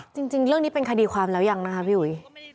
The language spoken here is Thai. จริงเรื่องนี้เป็นคดีความแล้วยังนะคะพี่อุ๋ย